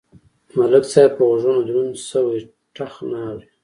ملک صاحب په غوږونو دروند شوی ټخ نه اوري.